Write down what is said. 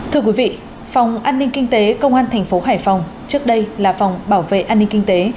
thưa quý vị phòng an ninh kinh tế công an thành phố hải phòng trước đây là phòng bảo vệ an ninh kinh tế